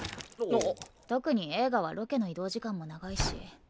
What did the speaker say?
特に映画はロケの移動時間も長いし。